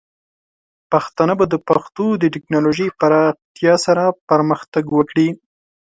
پښتانه به د پښتو د ټیکنالوجۍ پراختیا سره پرمختګ وکړي.